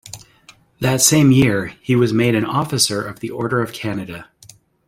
That same year, he was made an Officer of the Order of Canada.